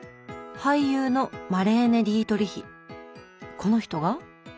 この人が？